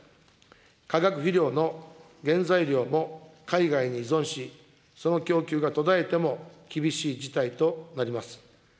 化学肥料の原材料も海外に依存し、その供給が途絶えても、厳しい事態となります。